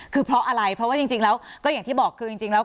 คือเพราะอะไรเพราะว่าจริงแล้วก็อย่างที่บอกคือจริงแล้ว